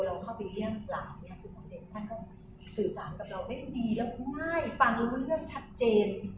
ท่านก็สื่อสารกับเราไม่ดีแล้วก็ไม่ฟังเรื่องชัดเจน